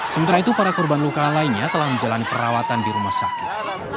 sementara itu para korban luka lainnya telah menjalani perawatan di rumah sakit